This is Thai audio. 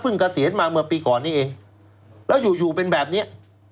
เพิ่งเกษียณมาเมื่อปีก่อนนี้เองแล้วอยู่เป็นแบบนี้